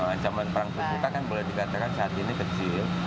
ancaman perang terbuka kan boleh dikatakan saat ini kecil